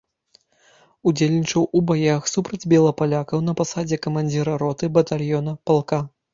Удзельнічаў у баях супраць белапалякаў на пасадзе камандзіра роты, батальёна, палка.